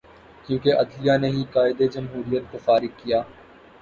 کیونکہ عدلیہ نے ہی قائد جمہوریت کو فارغ کیا۔